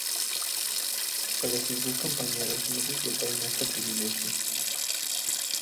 Pero sus dos compañeros no disfrutaron de ese privilegio.